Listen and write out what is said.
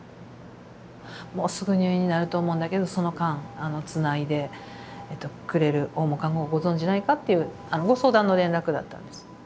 もうすぐ入院になると思うんだけどその間つないでくれる訪問看護をご存じないかっていうご相談の連絡だったんです。